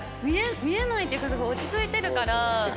見えないっていうかすごい落ち着いてるから。